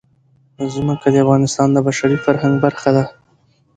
ځمکه د افغانستان د بشري فرهنګ برخه ده.